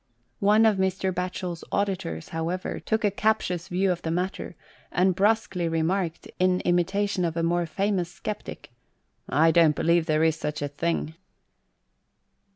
One of Mr. Batchel's auditors, however, took a captious view of the matter, and brusquely remarked, in imitation of a more famous sceptic, " I don't believe there's no sich a thing."